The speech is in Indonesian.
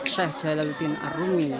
sheikh jalaluddin arumi